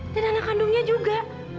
dan anak kandungnya juga